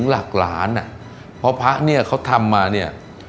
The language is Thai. พ่างราชภาพเนี่ยพ่อทำมาเนี่ย